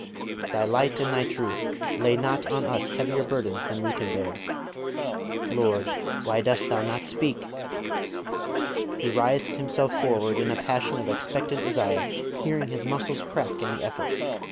_ Thy light and Thy truth! Lay not on us heavier burdens than we can bear. Lord, why dost Thou not speak!" He writhed himself forward in a passion of expectant desire, hearing his muscles crack in the effort.